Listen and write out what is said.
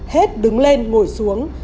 hết đứng lên ngồi xuống